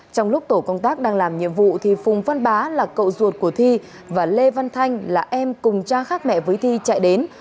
trong lúc tổ công tác đang làm nhiệm vụ phùng văn bá là cậu ruột của thi và lê văn thanh là em cùng cha khác mẹ với thi chạy đến